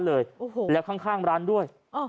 แล้วข้างร้านด้วย